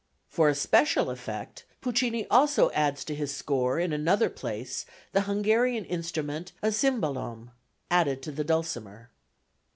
For a special effect, Puccini also adds to his score in another place the Hungarian instrument, a czimbalom, added to the dulcimer.